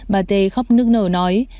bà tê khóc nước nở nói